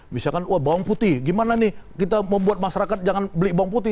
misalkan wah bawang putih gimana nih kita membuat masyarakat jangan beli bawang putih